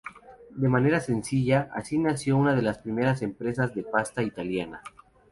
De manera sencilla, así nació una de las primeras empresas de pasta de Italia.